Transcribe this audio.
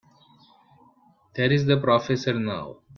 There's the professor now.